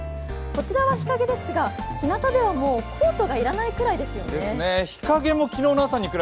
こちらは日陰ですがひなたではコートがいらないぐらいですね。